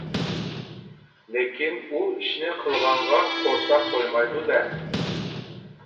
-لېكىن ئۇ ئىشنى قىلغانغا قورساق تويمايدۇ-دە!